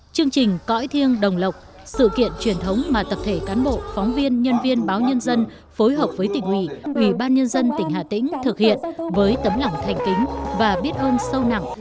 chương trình cõi thiêng đồng lộc sự kiện truyền thống mà tập thể cán bộ phóng viên nhân viên báo nhân dân phối hợp với tỉnh ủy ủy ban nhân dân tỉnh hà tĩnh thực hiện với tấm lòng thành kính và biết ơn sâu nặng